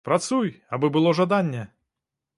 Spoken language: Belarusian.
Працуй, абы было жаданне!